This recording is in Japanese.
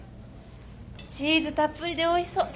チーズたっぷりでおいしそう。